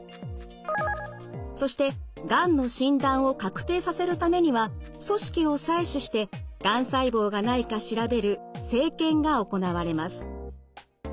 そしてがんの診断を確定させるためには組織を採取してがん細胞がないか調べる生検が行われます。